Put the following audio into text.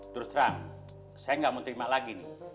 terus terang saya nggak mau terima lagi nih